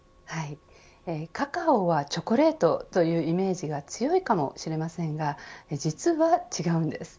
カカオはチョコレートというイメージが強いかもしれませんが実は違うんです。